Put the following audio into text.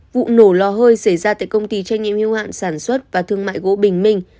vụ nổ lò hơi xảy ra tại công ty trách nhiệm yêu hạn sản xuất và thương mại gỗ bình minh